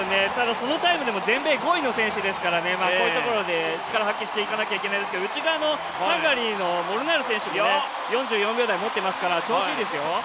このタイムでも全米５位のチームですから、力を発揮していかなきゃいけないんですけど、内側のハンガリーの選手も４４秒台持っていますから、ちょうどいいですよ。